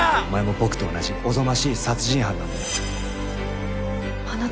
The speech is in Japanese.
お前も僕と同じおぞましい殺人犯なんだよ。